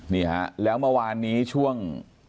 นี่ฮะแล้วเมื่อวานนี้ช่วง